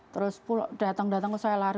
terus datang datang ke saya lari